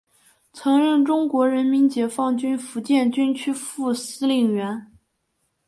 曾任中国人民解放军福建军区副司令员。